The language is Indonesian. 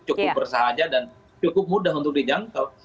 cukup bersahaja dan cukup mudah untuk dijangkau